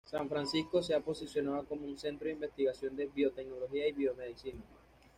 San Francisco se ha posicionado como un centro de investigación de biotecnología y biomedicina.